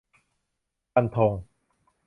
ฟันธง !